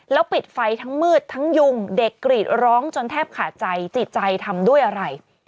แล้วปิดไฟทั้งมืดทั้งยุงเด็กกรีดร้องจนแทบขาดใจจิตใจทำด้วยอะไร